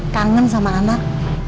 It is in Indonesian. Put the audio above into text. kangen sama anak